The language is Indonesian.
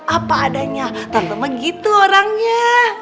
apa adanya tante mah gitu orangnya